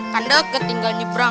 kan deket tinggal nyebrang